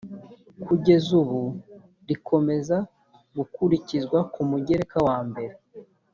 kugeza ubu rikomeza gukurikizwa ku mugereka wambere